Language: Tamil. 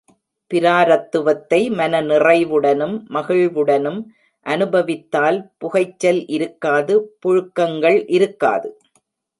பிராரத்துவத்தை மன நிறைவுடனும், மகிழ்வுடனும் அனுபவித்தால் புகைச்சல் இருக்காது புழுக்கங்கள் இருக்காது.